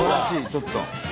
ちょっと。